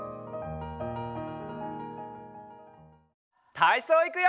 たいそういくよ！